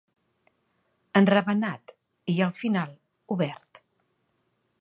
Enravenat i, al final, obert.